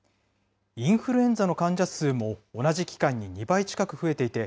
インフルエンザの患者数も同じ期間に２倍近く増えていて、